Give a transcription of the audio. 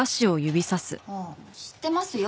ああ知ってますよ。